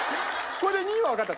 これで２位はわかった。